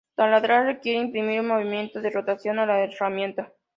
Taladrar requiere imprimir un movimiento de rotación a la herramienta.